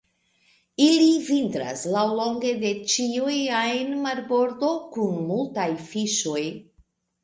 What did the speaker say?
Ili vintras laŭlonge de ĉiu ajn marbordo kun multaj fiŝoj.